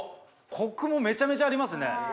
コクもめちゃめちゃありますね。